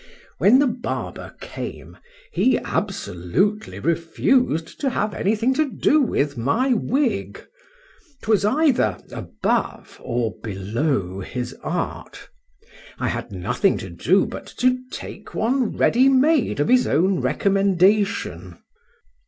WHEN the barber came, he absolutely refused to have any thing to do with my wig: 'twas either above or below his art: I had nothing to do but to take one ready made of his own recommendation.